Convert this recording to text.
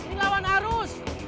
ini lawan arus